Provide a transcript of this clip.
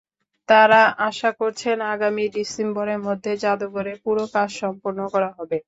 তাঁরা আশা করছেন, আগামী ডিসেম্বরের মধ্যে জাদুঘরের পুরো কাজ সম্পন্ন করা যাবে।